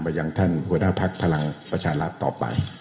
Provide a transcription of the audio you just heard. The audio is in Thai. ยังท่านหัวหน้าพักพลังประชารัฐต่อไป